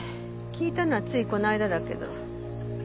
聞いたのはついこの間だけど。